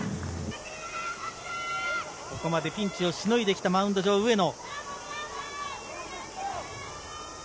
ここまでピンチをしのいできたマウンド上、上野。